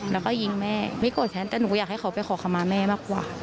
แล้วก็ยิงแม่ไม่โกรธแค้นแต่หนูอยากให้เขาไปขอคำมาแม่มากกว่า